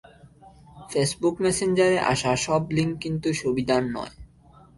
Facebook মেসেঞ্জারে আসা সব লিংক কিন্তু সুবিধার নয়।